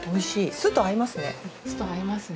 酢と合いますね。